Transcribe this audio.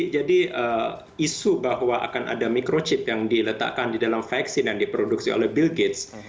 jadi isu bahwa akan ada microchip yang diletakkan di dalam vaksin yang diproduksi oleh bill gates